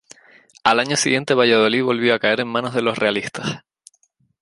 Al año siguiente, Valladolid volvió a caer en manos de los realistas.